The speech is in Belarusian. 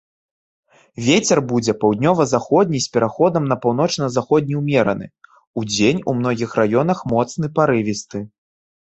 Вецер будзе паўднёва-заходні з пераходам на паўночна-заходні ўмераны, удзень у многіх раёнах моцны парывісты.